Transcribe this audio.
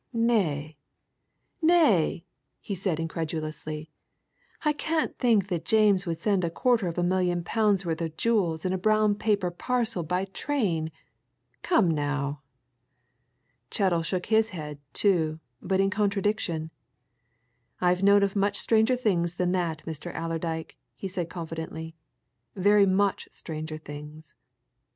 "Nay, nay!" he said incredulously. "I can't think that James would send a quarter of a million pounds' worth of jewels in a brown paper parcel by train! Come, now!" Chettle shook his head, too but in contradiction, "I've known of much stranger things than that, Mr. Allerdyke," he said confidently. "Very much stranger things.